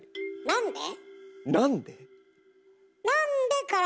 なんで？